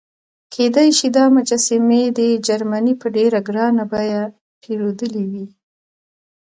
کېدای شي دا مجسمې دې جرمني په ډېره ګرانه بیه پیرودلې وي.